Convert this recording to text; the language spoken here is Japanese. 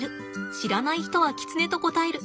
知らない人はキツネと答える。